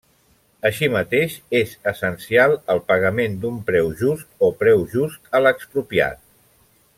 Així mateix, és essencial el pagament d'un preu just o preu just a l'expropiat.